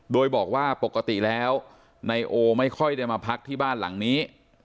โดยบอกว่าปกติแล้วนายโอไม่ค่อยได้มาพักที่บ้านหลังนี้